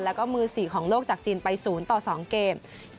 แล้วก็มือ๔ของโลกจากจีนไป๐ต่อ๒เกม